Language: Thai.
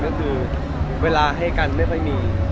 ก็คือเวลาให้กันไม่ค่อยมี